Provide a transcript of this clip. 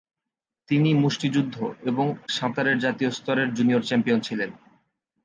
তিনি মুষ্টিযুদ্ধ এবং সাঁতারের জাতীয় স্তরের জুনিয়র চ্যাম্পিয়ন ছিলেন।